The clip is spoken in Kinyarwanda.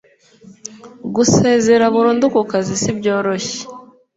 gusezera burundu ku kazi sibyoroshye